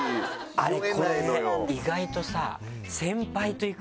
これね意外とさ。